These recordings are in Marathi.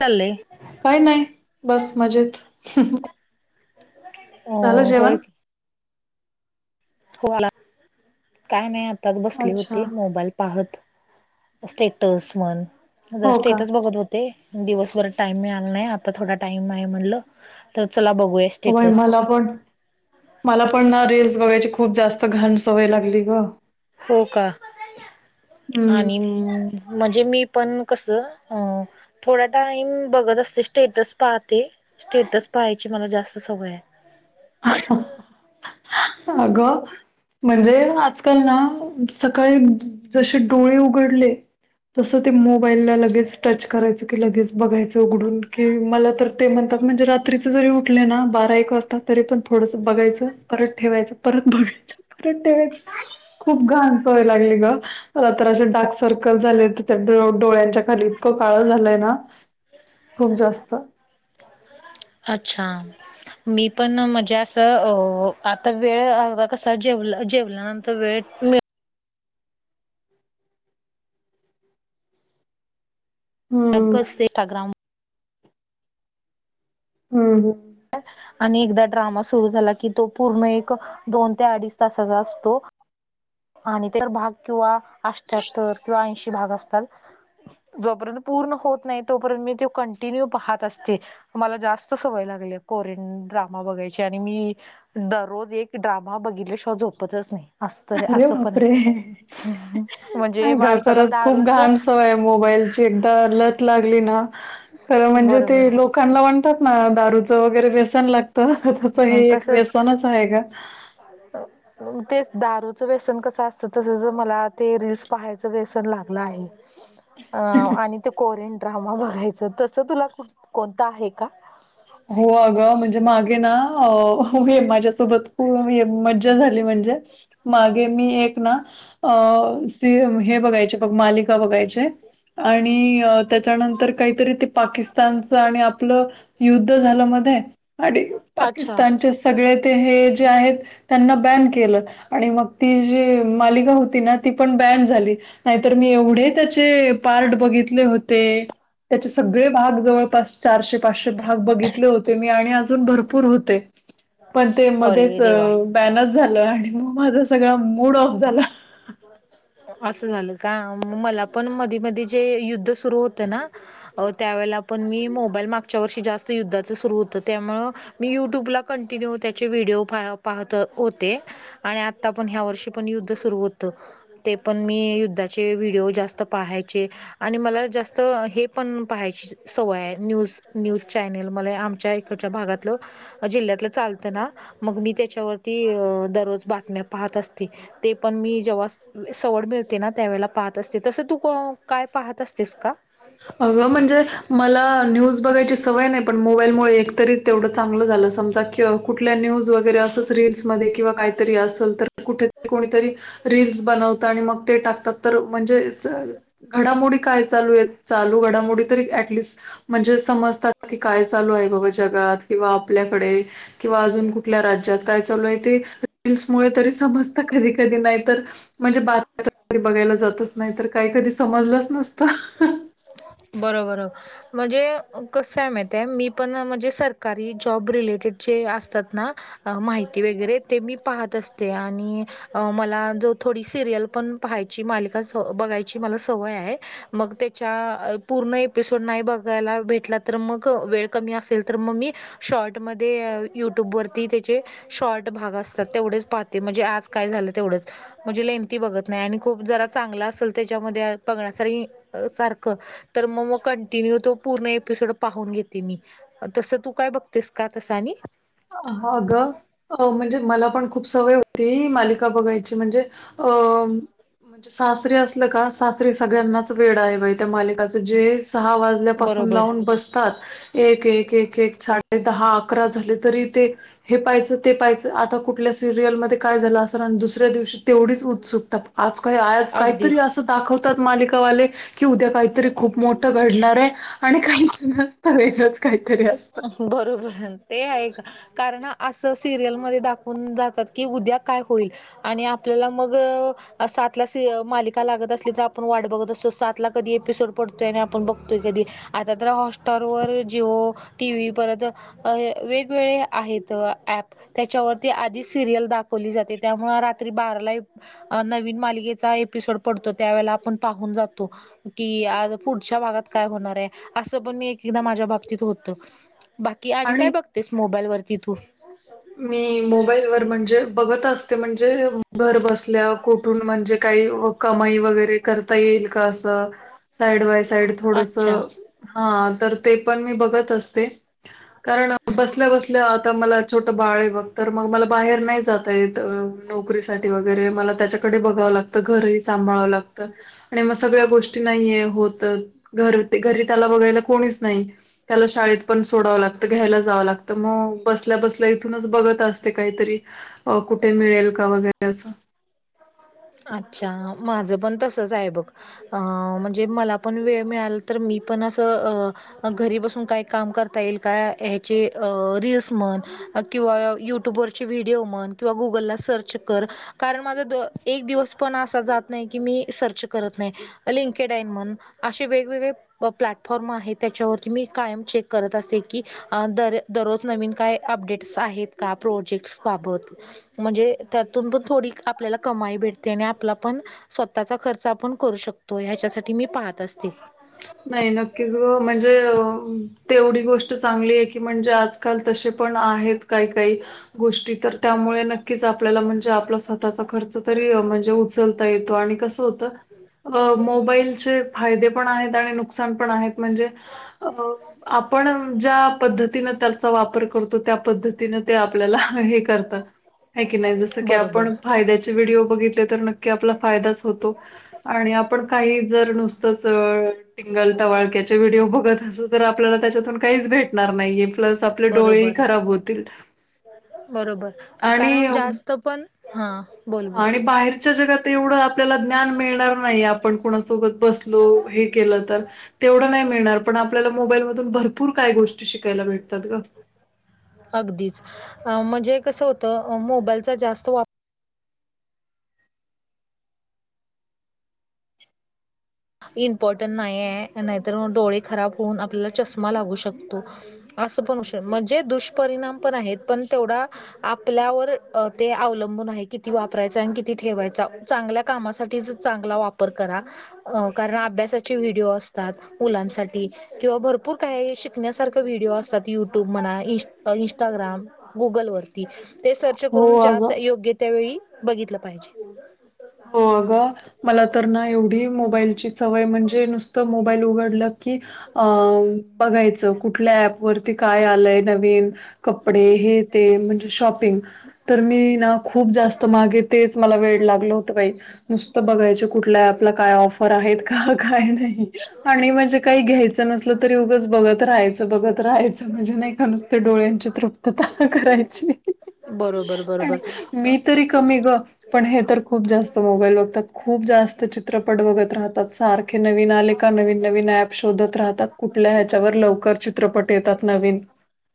चाललंय. काय नाही बस मजेत तु? झालं जेवण? होला काय नाही आताच बसली अच्छा होती मोबाईल त स्टेट म्हण ज हो का स्टेटस बघत. दिवसभरात टाईम मिळाला नाही आता थोडा टाईम आहे म्हणलं तर चला बघूया. वय स्टेटस मला पण मला पण ना रीलल्स बघायची खूप जास्त घाण सवय लागली ग. हो का आणि हम्म. म्हणजे मी पण कस अ थोडा टाइम बघत असते स्टेटस पाहते स्टेटस पाहायची मला जास्त सवय आहे. आगं. म्हणजे आजकाल ना सकाळी जसे डोळे उघडले. तसं ते मोबाईलला लगेच टच करायचं की लगेच बघायचं उघडून की मला तर ते म्हणतात म्हणजे रात्रीचे जरी उठले ना बारा एक वाजताात. तरी पण थोडंसं बघायचं परत ठेवायचं परत बघायचं. परे खूप घानच वय लागली ग तरातशे डार्क सर्कल झाले. त्या डोळ्यांच्या खाली इतकं काळं झालंय ना खूप जास्त अच्छा मी पण मजे अस आता वेळ कस जेव जेवलंंत. त वेट हम्म जस इस्टाग्रम. हम ह आणि एकदा ड्रामा सुरू झाला की तो पूर्ण एक दोन ते अडीच तासाचा असतो. आणि ते भाग किंवा अष्ट्याहत्तर किंवा ऐंशी भाग असतात. जोपर्यंत पूर्ण होत नाही तोपर्यंत मी त कंटिन्यू पाहत असते. मला जास्त सवय लागली कोरियन ड्रामा बघायची आणि मी दररोज एक ड्रामा बघितले शो झोपतच नाही अस. अरे असं पण बापरे! म्हणजे माणसाला दारूच. मोबाईल ची एकदा लत लागली ना तर म्हणजे बरोबर ते दखांला म्हणतात ना दारूचं वगैरे व्यसन लागतं त्याच हे एक व्यसनच आहे का. ह ते दारूचं व्यसन कस असतं तस ज मला ते रीलस पहायचं व्यसन लागलं आहे. अ आणि ते कोरियन ड्रामा बघायचं तस तुलाुठ कोणतं आहे का हो अग म्हणजे मागे ना माझ्यासोबत खू मज्जा झाली म्हणजे मागे मी एक ना अ स हे बघायचे बघ मालिका बघायचे. आणि त्याच्यानंतर काहीतरी ते पाकिस्तानच आणि आपलं युद्ध झालं मध्ये आणि अच्छा. पाकिस्तानचे सगळे ते हे जे आहेत. त्यांना बॅन केलं आणि मग ती जी मालिका होती ना ती पण बॅन झाली. नाही तर मी एवढे त्याचे पार्ट बघितले होते. त्याचे सगळे भाग जवळपास चारशे पाचशे भाग बघितले होते मी आणि अजून भरपूर होते. पण ते अरे मध्येच देवा बॅनच झालं आणि मग माझा सगळं मूड ऑफ झाला. असं झालं का मला पण मधी मध जे युद्ध सुरू होत ना. अ त्यावेेळेला पण मी मोबाईल मागच्या वर्षी जास्त युद्धाच सुरु होतं त्यामुळ मी युट्यूबला कंटिन्यू त्याचे व्हिडिओ पाहत होते. आणि आता पण ह्या वर्षी पण युद्ध सुरु होत. ते पण मी युद्धाचे व्हिडिओ जास्त पाहायचे. आणि मला जास्त हे पण पाहायची. सवय न्यूज न्यूज चॅनेल मला आमच्या इकच्या भागातलं जिल्ह्यातलं चालतं ना मग मी त्याच्यावरती अ दररोज बातम्या पाहत असती. ते पण मी जेव्हा सवड मिळते ना त्यावेेळेला पाहत असते तसं तू काय पाहत असतेस का? अं म्हणजे मला न्यूज बघायची सवय नाही पण मोबाईलमुळे एकतरी. तेवढं चांगलं झालं समजा की कुठल्या न्यूज वगैरे असच रीलसमध्ये किंवा काहीतरी असेल तर कुठरी कोणीतरी रीलस बनवत आणि मग ते टाकतात तर म्हणजे घडामोडी काय चालू आहेत. चालू घडामोडी तरी ऍटलिस्ट म्हणजे समजतात की काय चालू आहे बाबा जगात किंवा आपल्याकडे किंवा अजून कुठल्या राज्यात काय चालू आहे ते रीलल्स मु तरी समजता कधी कधी नाही तर म्हणजे बातम्या बघायला जातच नाही तर काही कधी समजलंच नसत. बरोबर. म्हणजे कसं आहे माहित आहे मी पण म्हणजे सरकारी जॉब रिलेटेड जे असतात ना अ माहिती वगैरे ते मी पाहत असते आणि मला जो थोडी सिरियल पण पाहायची मालिका स बघायची मला सवय आहे. मग त्याच्या पूर्ण एपिसोड नाही बघायला भेटला तर मग वेळ कमी असेल तर मग मी शॉर्टमध्ये युट्यूब वरती त्याचे शॉर्ट भाग असतात तेवढेच पाहते म्हणजे आज काय झालं तेवढंच म्हणजे लेंथी बघत नाही आणि खूप जरा चांगला असेल त्याच्यामध्ये बघण्यास बघण्यासारखं तर मग मग कंटिन्यू तो पूर्ण एपिसोड पाहून घेते मी. तसं तू काय बघतेस का तसं आणि? आग अ म्हणजे मला पण खूप सवय होती मालिका बघायची म्हणजे अ म्हणजे सासरी असलं का सासरी सगळ्यांनाच वेड आहे बाई त्या मालिकच जे सहा वाज कुठल्या पासून बरोबर लावून बसतात एकेक साडेदहा अकरा झाले तरी ते हे पाहिजं ते पाहिचं आता कुठल्या सिरियलमध्ये काय झालं असेर आणि दुसऱ्या दिवशी तेवढीच उत्सुकता आज काही आज काहीतरी अगदीच असं दाखवतात मालिकावाले की उद्या काही खूप मोठ घडणार आहे आणि काहीच नसतं वेगळंच काहीतरी असतं. बरोबर ते आहे का कारण असं सिरियलमध्ये दाखवून जातात की उद्या काय होईल आणि आपल्याला मग सातला सी मालिका लागतं असली तर आपण वाट बघतो असतो सातला कधी एपिसोड पडतोय आणि आपण बघतोय कधी आता तर हॉटस्टार वर जिओ टी व्ही परत वेगवेगळे आहेत ॲप त्याच्यावरती आधी सिरियल दाखवली जाते त्यामुळे रात्री बाराला नवीन मालिकेचा एपिसोड पडतो त्यावेळेला आपण पाहून जातो की पुढच्या भागात काय होणार आहे असं पण मी एक एकदा माझ्या बाबतीत होत बाकी आणि काय बघत बघतेस मोबाईलवरती तु मी मोबाईलवर म्हणजे बघत असते म्हणजे घर बसल्या कुठून म्हणजे काही कमाई वगैरे करता येईल का असं साईड बाय साईड अच्छा थोडंसं हा तर ते पण मी बघत असते कारण बसल्या बसल्या आता मला छोटं बाळ आहे बघ तर मग मला बाहेर नाही जाता येत नोकरीसाठी वगैरे मला त्याच्याकडे बघावं लागतं. घरही सांभाळवं लागतं. आणि मग सगळ्या गोष्टी नाहीये होत घर ते घरी त्याला बघायला कोणीच नाही. त्याला शाळेत पण सोडावं लागतं घ्यायला जावं लागतं मग बसल्या बस इथूनच बघत असते काहीतरी कुठे मिळेल का वगैरेच अच्छा माझं पण तसंच आहे बघ अं म्हणजे मला पण वेळ मिळाल तर मी पण असं अं अ घरी बसून काय काम करता येईल का ह्याचे रीलस म्हण किंवा युट्यूबर व्हिडिओ म्हण किंवा गुगला सर्च कारण माझं एक दिवस पण असा जात नाही की मी सर्च करत नाही. लिंकेड आहे म्हण असे वेगवेगळे व प्लॅटफॉर्म आहे त्याच्यावरती मी कायम चेक करत असे की अ दर दररोज नवीन काय अपडेट्स आहेत का प्रोजेक्ट्स बाबत म्हणजे त्यातून पण थोडी आपल्याला कमाई भेटते आणि आपला पण स्वतःचा खर्च आपण करू शकतो ह्याच्यासाठी मी पाहत असते. नाही नक्कीच ग म्हणजे तेवढी गोष्ट चांगली आहे की की म्हणजे आजकाल तसे पण आहेत काही काही गोष्टी तर त्यामुळे नक्कीच आपल्याला म्हणजे आपला स्वतःचा खर्च तरी म्हणजे उचल उचलता येतो म्हणजे कसं मोबाईलचे फायदे पण आहेत. आणि नुकसान पण आहेत म्हणजे अ आपण ज्या पद्धतीन त्याचा वापर करतो त्या पद्धतीन ते आपल्याला हे करत. हाय की नाही जसं की बरोबर आपण फायद्याचे व्हिडिओ बघितले तर नक्की आपला फायदाच होतो. आणि आपण काही जर नुसतंच पिंगल टवाळक्याचे व्हिडिओ बघत असू तर आपल्याला त्याच्यातून काहीच भेटणार नाहीये. प्लस आपले डोळेही बरोबर खराब होतील. बरोबर आणि कारण जास्त पण हा बोल बोल आणि बाहेर आच्या जगात एवढं आपल्याला ज्ञान मिळणार नाही आपण कोणासोबत बसलो हे केलं तर, तेवढं नाही मिळणार पण आपल्याला मोबाईलमधून भरपूर काय गोष्टी शिकायला भेटतात ग. अगदीच म्हणजे कसं होतं अ मोबाईलचा जास्त वाप इम्पॉर्टंट नाही आहे नाहीतर डोळे खराब होऊन, आपल्याला चष्मा लागू शकतो. असं पण होऊ शकतं म्हणजे दुष्परिणाम पण आहेत पण तेवढा आपल्यावर ते अवलंबून आहे किती वापरायच आणि किती ठेवायचा. चांगल्या कामासाठीच चांगला वापर करा. अ कारण अभ्यासाचे व्हिडीओ असतात मुलांसाठी. किंवा भरपूर काही शिकण्यासारख व्हिडिओ असतात युट्यूब म्हणा इ इंस्टाग्राम. गुगल वरती ते सर्च हो करून ज्या अगं योग्य त्यावेेळी बघितलं पाहिजे. हो अग मला तर ना एवढी मोबाईलची सवय म्हणजे नुसतं मोबाईल उघडलं की अ बघायच कुठल्या ॲप वरती काय आलंय नवीन. कपडे हे ते म्हणजे शॉपिंग. तर मी ना खूप जास्त मागे तेच मला वेळ लागल होत बाई. नुसतं बघायचे कुठल्या ॲपला काय ऑफर आहेत का काय नाही आणि म्हणजे काही घ्यायचं नसलं तरी उगंच बघत राहायचं बघत राहायचं म्हणजे नाही का नुसतते डोळ्यांची तृप्तता करायची. बरोबर आणि बरोबर मी तरी कमी ग पण हे तर, खूप जास्त मोबाईल बघतात खूप जास्त चित्रपट बघत राहतात सारखे नवीन आले का नवीन नवीन ॲप शोधत राहतात कुठल्या ह्याच्यावर लवकर चित्रपट येतात नवीन.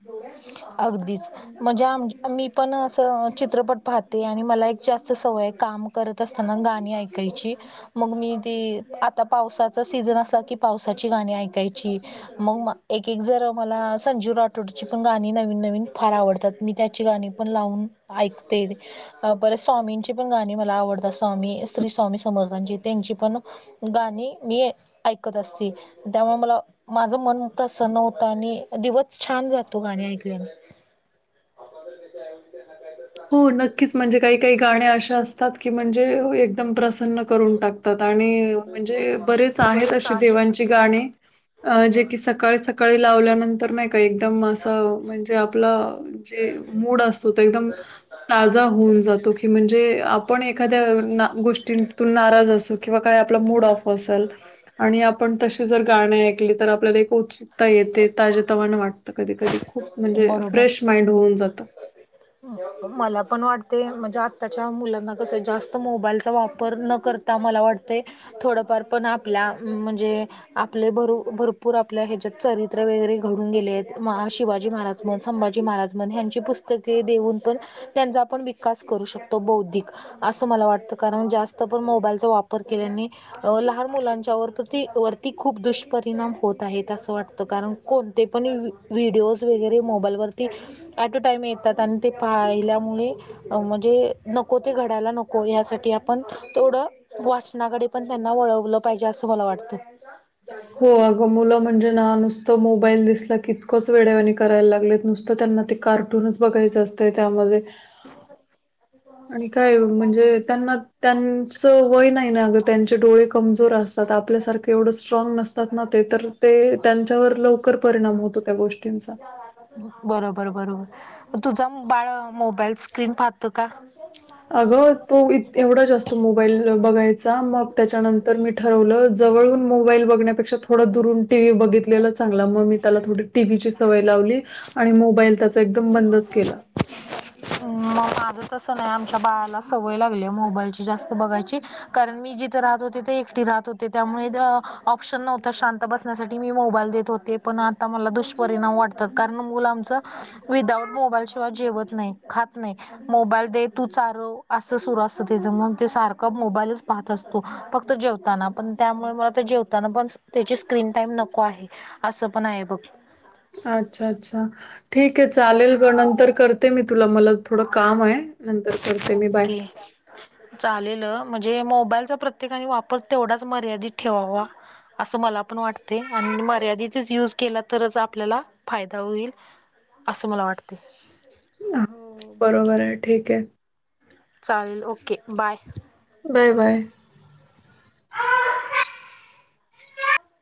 [unintelligible] अगदीच. म्हणजे आम मी पण असं चित्रपट पाहते आणि मला एक जास्त सवय काम करत असताना गाणी ऐकायची. मग मी ते आता पावसाचा सीझन असला कि पावसाची गाणी ऐकायची. मग एक एक जर मला संजीव राठोडची पण गाणी नवीन नवीन फार आवडतात मी त्याची गाणी पण लावून ऐकते. बरेच स्वामींची पण गाणी मला आवडतात. स्वामी श्री स्वामी समर्थांची त्यांची पण गाणी मी ऐकत असते. त्यामुळे मला माझं मन प्रसन्न होतं आणि दिवस छान जातो गाणी ऐकल्याने. [unintelligible] हो नक्कीच म्हणजे काही काही गाण्या अशा असतात की म्हणजे एकदम प्रसन्न करून टाक तात आणि म्हणजे बरेच आहेत अशी देवांची गाणी अ जे की सकाळी सकाळी लावल्यानंतर नाही का एकदम असं म्हणजे आपलं जे मूड असतो एकदम ताजा होऊन जातो. की म्हणजे आपण एखाद्या गोष्टीतून नाराज असू किंवा काय आपला मूड ऑफ असल. आणि आपण तशी जर गाणे ऐकली तर आपल्याला एक उत्सुकता येते ताजतवान वाट कधी कधी खूप म्हणजे बरोबर. फ्रेश माइंड होऊन जातं. मला पण वाटते म्हणजे आताच्या मुलांना कस जास्त मोबाईलचा वापर न कर ता मला वाटतय थोडंफार पण आपल्या अम म्हणजे, आपले भर भरपूर आपल्या ह्याच्यात चरित्र वगैरे घडून गेले आहेत महा शिवाजी महाराज. संभाजी महाराज म्हण यांची पुस्तक ते देऊन पण त्यांचा आपण विकास करू शकतो बौद्धिक. असं मला वाटतं कारण जास्त पण मोबाईलचा वापर केल्यानी अ लहान मुलांच्या वती वरती खूप दुष्परिणाम होत आहेत असं वाटतं कारण कोणते पण व्हिडिओज वगैरे मोबाईलवरती ऍट अ टाईम येत. त्याात आणि ते पाहिल्यामुळे अ म्हणजे नको ते घडायला नको यासाठी आपण थोडं. वाचनाकडे पण त्यांना वळवलं पाहिजे असं मला वाटतं. हो अग मुलं म्हणजे ना नुसतं मोबाईल दिसला कितकंच वेडणी करायला लागलेत नुसतं त्यांना ते कार्टूनच बघायच असत त्यामध्ये ह. आणि काय म्हणजे त्यांना त्यांचं वय नाही ना अग त्यांचे डोळे कमजोर असत. आपल्यासारख एवढं. स्ट्रॉंग नसतात ना ते तर ते त्यांच्यावर लवकर परिणाम होतो त्या गोष्टींचा बरोबर बरोबर तुझा बाळ मोबाईल स्क्रीन पाहत का? अगं तो एवढा जा असतो मोबाईल बघायचा मग त्याच्यानंतर मी ठरवलं जवळून मोबाईल बघण्यापेक्ष थोडं दुरून टीव्ही बघितलेलं. चांगला मग मी त्याला थोडी टीव्हीची सवय लावली आणि मोबाईल त्याचा एकदम बंदच केला. मग माझं कसं नाही आमच्या बाळाला सवय लागली मोबाईलची जास्त बघायची. कारण मी जिथे राहत होते ते एकटी राहत होते त्यामुळे ऑप्शन नव्हत शांत बसण्यासाठी मी मोबाईल देत होते. ते पण आता मला दुष्परिणाम वाटतात कारण मुलं आमच विदाउट मोबाईलशिवाय जेवत नाही. खात नाही. मोबाईल दे तू चाार असं सुरू असत त्याच म्हणून ते सारखं मोबाईलच पाहत असत. फक्त जेवताना पण त्यामुळे मला तर जेवताना पण त्याची स्क्रीन टाइम नको आहे. अस असं पण आहे बघ. अच्छा अच्छा ठीक आहे चालेल ग नंतर करते मी तुला मला थोडं काम आहे. नंतर करत. ओके. चालेल म्हणजे मोबाईलचा प्रत्येकाने वापर तेवढाच मर्यादित ठेवावा. असं मला पण वाटते आणि मर्यादितच यूज केला तरच आपल्याला फायदा होईल. अस मला वाटतय. हो, बरोबर आहे, ठीक आहे. चालेल ओके बाय. Bye, bye.